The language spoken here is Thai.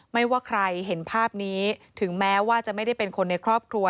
ไม่ว่าใครเห็นภาพนี้ถึงแม้ว่าจะไม่ได้เป็นคนในครอบครัว